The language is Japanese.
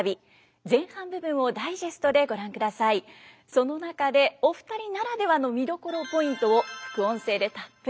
その中でお二人ならではの見どころポイントを副音声でたっぷりと語っていただきます。